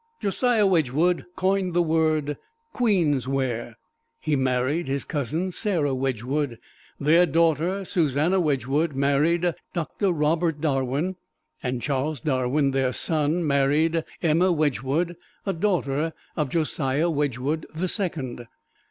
Josiah Wedgwood coined the word "queensware." He married his cousin, Sarah Wedgwood. Their daughter, Susannah Wedgwood, married Doctor Robert Darwin, and Charles Darwin, their son, married Emma Wedgwood, a daughter of Josiah Wedgwood the Second.